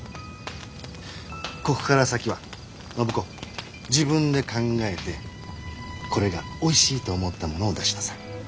ここから先は暢子自分で考えてこれがおいしいと思ったものを出しなさい。